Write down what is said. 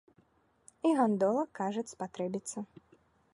І гандола, кажуць, спатрэбіцца.